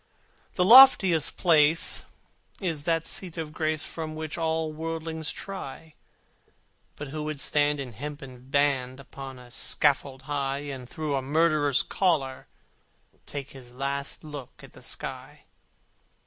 The loftiest place is the seat of grace For which all worldlings try: But who would stand in hempen band Upon a scaffold high, And through a murderer's collar take His last look at the sky?